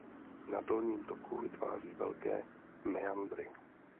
Na dolním toku vytváří velké meandry.